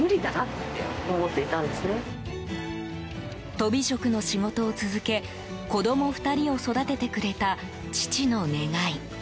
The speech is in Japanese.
とび職の仕事を続け子供２人を育ててくれた父の願い。